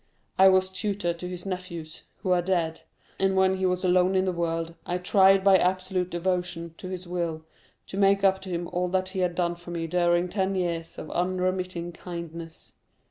I was tutor to his nephews, who are dead; and when he was alone in the world, I tried by absolute devotion to his will, to make up to him all he had done for me during ten years of unremitting kindness.